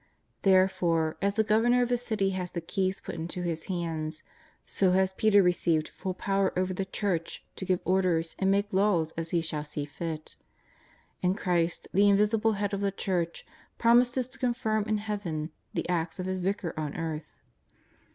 Therefore, as the governor of a city has the keys put into his hands, so has Peter received full power over the Church to give i orders and make laws as he shall see fit. And Christ, the invisible Head of the Church, promises to con firm in Heaven the acts of His Vicar on earth.